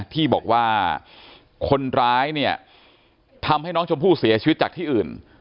ที่บอกว่าคนร้ายเนี่ยทำให้น้องชมพู่เสียชีวิตจากที่อื่น